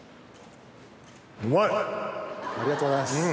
ありがとうございます。